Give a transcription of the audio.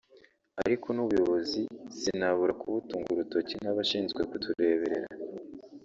Ariko n’ubuyobozi sinabura kubutunga urutoki nk’abashinzwe kutureberera